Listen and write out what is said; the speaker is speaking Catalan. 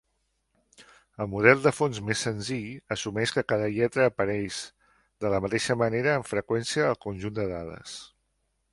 El model de fons més senzill assumeix que cada lletra apareix de la mateixa manera amb freqüència al conjunt de dades.